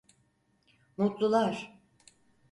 Mutlular…